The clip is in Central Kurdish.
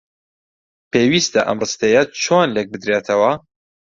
پێویستە ئەم ڕستەیە چۆن لێک بدرێتەوە؟